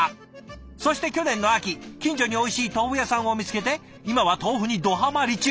そして去年の秋近所においしい豆腐屋さんを見つけて今は豆腐にドハマり中。